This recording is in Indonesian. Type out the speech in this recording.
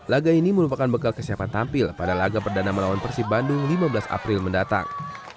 laga ini merupakan bekal kesiapan tampil pada laga perdana melawan persib bandung lima belas april mendatang